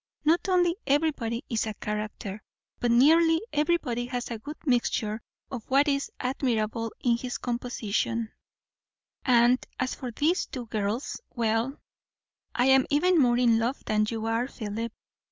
Not only everybody is a character, but nearly everybody has a good mixture of what is admirable in his composition; and as for these two girls well, I am even more in love than you are, Philip.